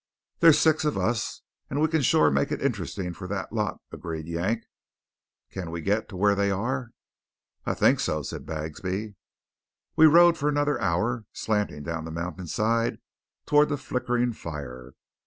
"There's six of us and we can shore make it interesting for that lot," agreed Yank. "Can we get to where they are?" "I think so," said Bagsby. We rode for another hour, slanting down the mountainside toward the flickering fire.